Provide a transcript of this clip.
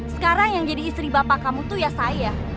sekarang yang jadi istri bapak kamu tuh ya saya